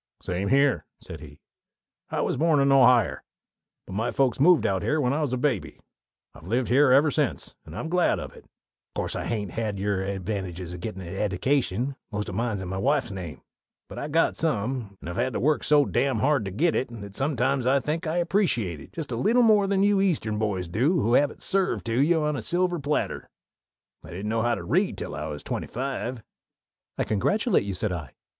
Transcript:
"Same here," said he. "I was born in Ohier; but my folks moved out here when I was a babby. I've lived here ever since and I'm glad of it. Of course I hain't had your advantages in gettin' an eddication most o' mine's in my wife's name but I've got some, and I've had to work so dam hard to get it that sometimes I think I appreciate it just a leetle more than you Eastern boys do who have it served to you on a silver platter. I didn't know how to read till I was twenty five." "I congratulate you," said I.